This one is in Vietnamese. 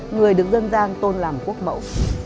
người được dân gian tôn làm quốc mẫu